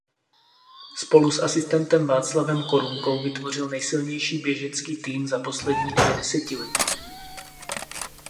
Spolu s asistentem Václavem Korunkou vytvořil nejsilnější běžecký tým za poslední dvě desetiletí.